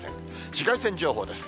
紫外線情報です。